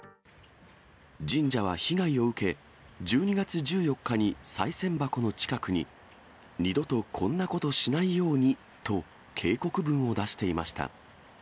神社は被害を受け、１２月１４日にさい銭箱の近くに、二度と、こんなことしないように！と警告文を出していました。